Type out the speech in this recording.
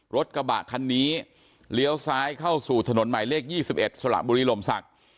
รถกระบะคันนี้เลี้ยวซ้ายเข้าสู่ถนนหมายเลข๒๑สระบุรีลมศักดิ์